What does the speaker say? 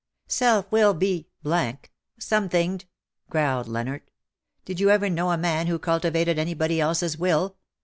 '^" Self will be ! somethinged V growled Leonard. "Did you ever know a man who culti vated anybody else^s will?